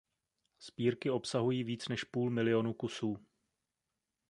Sbírky obsahují více než půl milionu kusů.